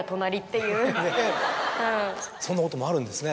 そんなこともあるんですね。